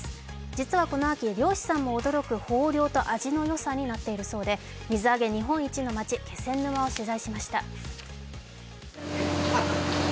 実はこの秋、漁師さんも驚く豊漁と味のよさになっているそうで、水揚げ日本一の街・気仙沼を取材しました。